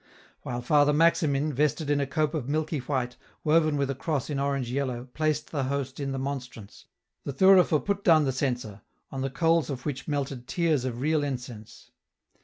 While Father Maximin, vested in a cope of milky white, woven with a cross in orange yellow, placed the Host in the monstrance, the thurifer put down the censer, on the coals of which melted tears of real incense.